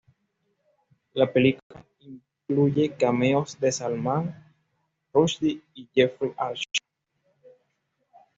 La película incluye cameos de Salman Rushdie y Jeffrey Archer.